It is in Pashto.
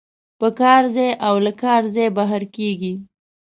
په کار ځای او له کار ځای بهر کاریږي.